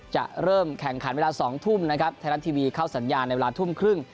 จะเริ่มแข่งขันเวลา๒ทุ่มนะครับไทยรัฐทีวีเข้าสัญญาณในเวลาทุ่มครึ่ง